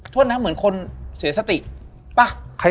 ช่วงนั้นเหมือนคนเสียสติป่ะ